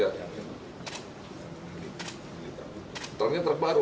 baru pak yang beli truk itu